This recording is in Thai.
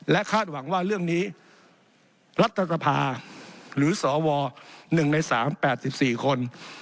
คาดหวังว่าเรื่องนี้รัฐสภาหรือสว๑ใน๓๘๔คน